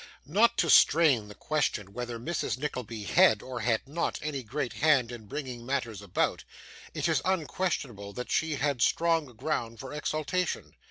Not to strain the question whether Mrs. Nickleby had or had not any great hand in bringing matters about, it is unquestionable that she had strong ground for exultation.